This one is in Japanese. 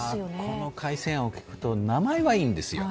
この改正案を聞くと、名前はいいんですよ。